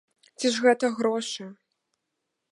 Ці ж гэта грошы?